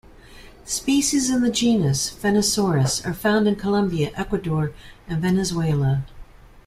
Species in the genus "Phenacosaurus" are found in Colombia, Ecuador, and Venezuela.